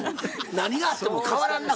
何があっても変わらんなぁ